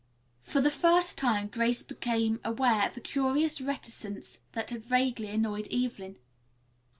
For the first time Grace became aware of the curious reticence that had vaguely annoyed Evelyn.